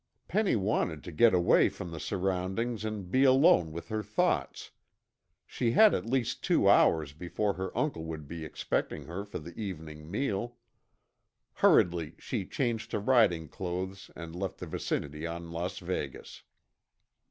Penny wanted to get away from the surroundings and be alone with her thoughts. She had at least two hours before her uncle would be expecting her for the evening meal. Hurriedly she changed to riding clothes and left the vicinity on Las Vegas.